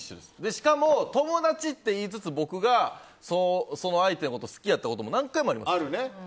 しかも、友達って言いつつ僕がその相手のことを好きやったことも何回もあります。